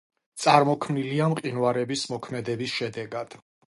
წარმოქმნილია მყინვარების მოქმედების შედეგად.